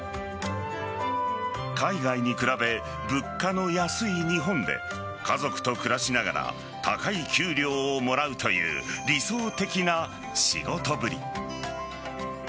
海外に比べ物価の安い日本で家族と暮らしながら高い給料をもらうという理想的な仕事ぶり。